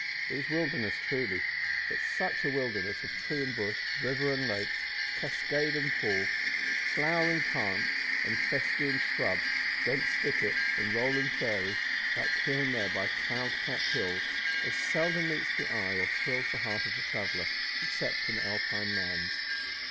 It was wilderness truly, but such a wilderness of tree and bush, river and lake, cascade and pool, flowering plant and festooned shrub, dense thicket and rolling prairie, backed here and there by cloud capped hills, as seldom meets the eye or thrills the heart of traveller, except in alpine lands.